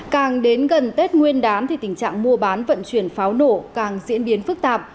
càng đến gần tết nguyên đán thì tình trạng mua bán vận chuyển pháo nổ càng diễn biến phức tạp